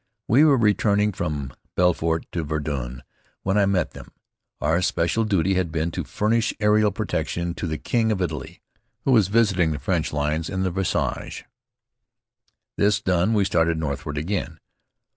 We were returning from Belfort to Verdun when I met them. Our special duty had been to furnish aerial protection to the King of Italy, who was visiting the French lines in the Vosges. This done we started northward again.